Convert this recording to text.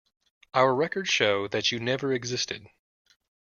Our records show that you never existed.